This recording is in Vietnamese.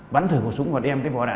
bắn thử khẩu súng và đem cái vỏ đạn